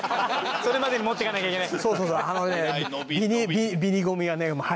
それまでに持っていかなきゃいけない。